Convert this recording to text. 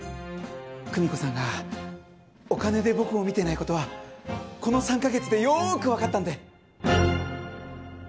久美子さんがお金で僕を見てない事はこの３カ月でよーくわかったんで。